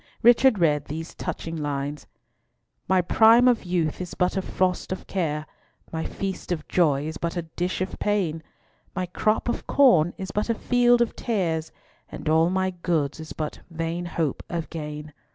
Richard read these touching lines:— My prime of youth is but a frost of care, My feast of joy is but a dish of pain, My crop of corn is but a field of tares, And all my goods is but vain hope of gain.